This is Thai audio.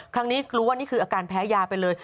ครั้งนี้กลัวว่านี่คืออาการแพ้ยาไปเลย